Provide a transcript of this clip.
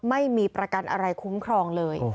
ไม่มีประกันอะไรคุ้มครองเลย